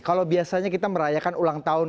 kalau biasanya kita merayakan ulang tahun